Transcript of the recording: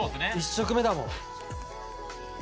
１食目だもん。